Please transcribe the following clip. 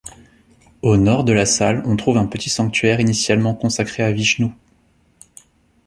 Au nord de la salle on trouve un petit sanctuaire initialement consacrée à Vishnu.